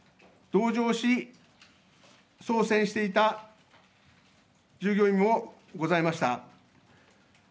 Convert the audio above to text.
同乗し操船していた従業員もございました。